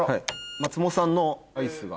松本さんのアイスが。